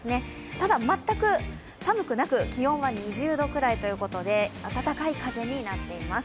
ただ、全く寒くなく、気温は２０度くらいということで暖かい風になっています。